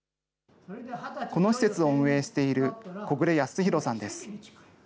この施設を運営している小暮康弘さんです。